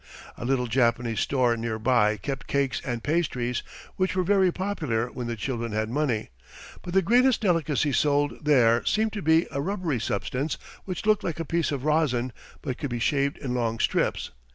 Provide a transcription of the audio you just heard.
"A little Japanese store nearby kept cakes and pastries, which were very popular when the children had money, but the greatest delicacy sold there seemed to be a rubbery substance, which looked like a piece of resin, but could be shaved in long strips.